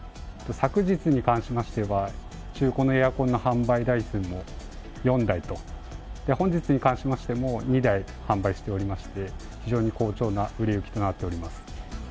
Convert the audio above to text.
昨日に関しましては、中古のエアコンの販売台数も４台と、本日に関しましても２台販売しておりまして、非常に好調な売れ行きとなっております。